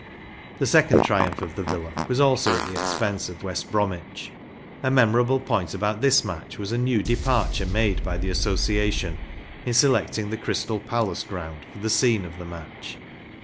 The second triumph of the Villa was also at the expense of West Bromwich. A memorable point about this match was a new departure made by the Association in selecting the Crystal Palace ground for the scene of the match.